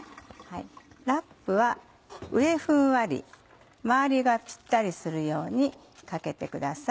ラップは上ふんわり周りがピッタリするようにかけてください。